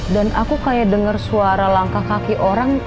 dan aku kayak denger suara langkah kaki orang